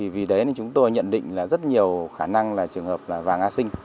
vì đấy chúng tôi nhận định là rất nhiều khả năng là trường hợp là vàng a sinh